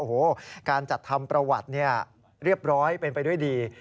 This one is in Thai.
โอ้โหการจัดทำประวัติเนี่ยเรียบร้อยเป็นไปด้วยดี